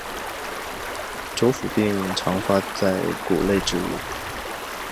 轴腐病常发生在谷类植物。